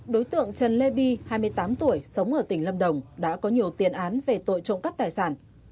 đối tượng trần lê bi hai mươi tám tuổi sống ở tỉnh lâm đồng đã có nhiều tiền án về tội trộm cắp tài sản